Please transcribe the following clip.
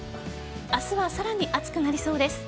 明日はさらに暑くなりそうです。